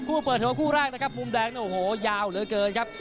ดูคู่แรกนะครับมุมแดงโอ้โหยาวเหลือเกินครับ